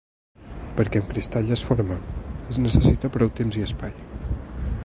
Perquè un cristall es forme es necessita prou temps i espai.